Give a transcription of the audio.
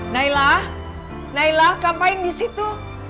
nailah nailah kamu main di situ